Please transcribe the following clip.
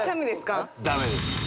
ダメです。